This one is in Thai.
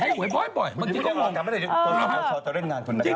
ให้ไหวบ่อยบางทีก็อ่มคุณพี่ไม่รอจำตอนนี้เขาจะเล่นงานคุณนะครับ